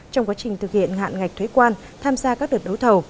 trong quá trình thực hiện hạn ngạch thuế quan tham gia các đợt đấu thầu